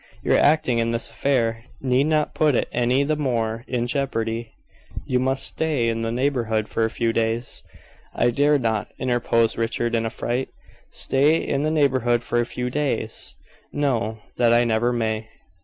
"Your acting in this affair need not put it any the more in jeopardy. You must stay in the neighborhood for a few days " "I dare not," interposed Richard, in a fright. "Stay in the neighborhood for a few days! No; that I never may."